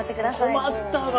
困ったわ。